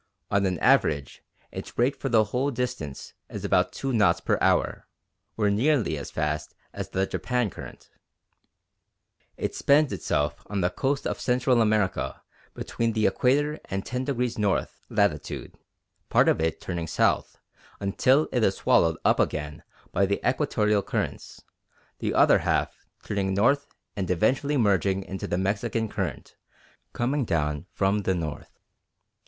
On an average its rate for the whole distance is about two knots per hour, or nearly as fast as the Japan Current. It spends itself on the coast of Central America between the Equator and 10° north latitude, part of it turning south until it is swallowed up again by the Equatorial currents, the other half turning north and eventually merging into the Mexican Current coming down from the north.